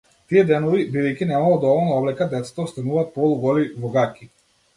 Тие денови, бидејќи немало доволно облека, децата остануваат полуголи, во гаќи.